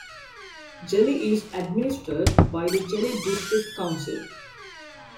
Jeli is administered by the Jeli District Council.